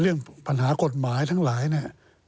เรื่องปัญหากฎหมายทั้งหลายเนี่ย